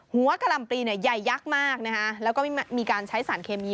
กะหล่ำปลีเนี่ยใหญ่ยักษ์มากนะคะแล้วก็มีการใช้สารเคมี